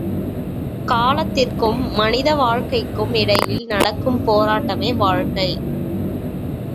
காலத்திற்கும் மனித வாழ்க்கைக்கும் இடையில் நடக்கும் போராட்டமே வாழ்க்கை!